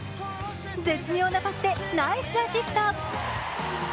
絶妙なパスでナイスアシスト。